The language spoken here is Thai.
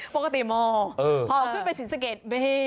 ปกติมอพอออกไปสีเสร็จเบ